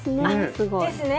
すごい。ですね。